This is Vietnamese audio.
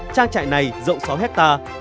trang trại này rộng sáu hectare